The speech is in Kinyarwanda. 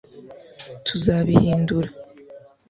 tuzabihindura